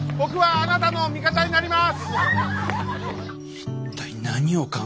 あなたの味方になります。